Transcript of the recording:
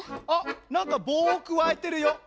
あっなんかぼうをくわえてるよ。